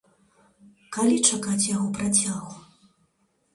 Калі чакаць яго працягу?